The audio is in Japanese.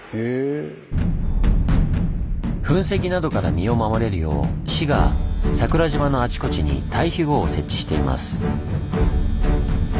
噴石などから身を守れるよう市が桜島のあちこちに退避壕を設置しています。